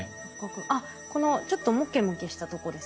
あっこのちょっとモケモケしたとこですね。